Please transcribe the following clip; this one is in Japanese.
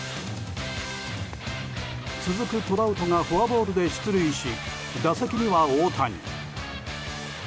続くトラウトがフォアボールで出塁し打席には大谷。